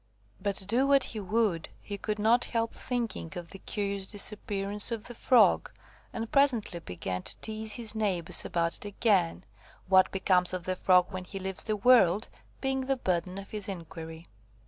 But, do what he would, he could not help thinking of the curious disappearance of the Frog, and presently began to tease his neighbors about it again, What becomes of the Frog when he leaves this world? being the burden of his inquiry.